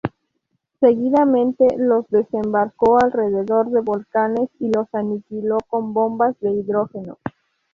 Seguidamente, los desembarcó alrededor de volcanes y los aniquiló con bombas de hidrógeno.